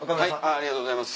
ありがとうございます。